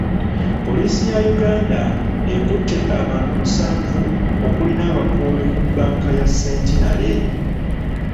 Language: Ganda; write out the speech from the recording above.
Poliisi ya Uganda ekutte abantu musanvu okuli n'abakuumi ku banka ya Centenary.